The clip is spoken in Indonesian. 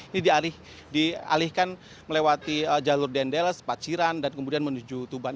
ini dialihkan melewati jalur dendels paciran dan kemudian menuju tuban